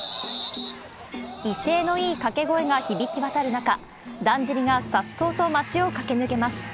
威勢のいい掛け声が響き渡る中、だんじりがさっそうと町を駆け抜けます。